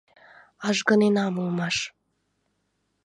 Ажгыненам улмаш...